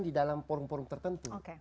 di dalam forum forum tertentu